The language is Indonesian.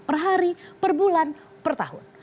per hari per bulan per tahun